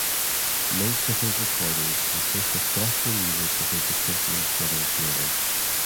Most of his recordings consist of gospel music with a distinctly Southern flavor.